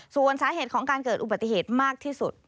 ส่วนสาเหตุของการเกิดอุบัติเหตุมากที่สุด